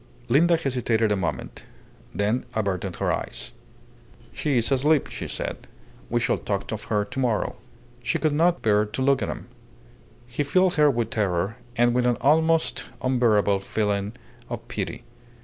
Linda hesitated a moment, then averted her eyes. "She is asleep," she said. "We shall talk of her tomorrow." She could not bear to look at him. He filled her with terror and with an almost unbearable feeling of pity.